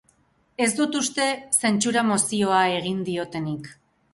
Ez dut uste zentsura-mozioa egin diotenik.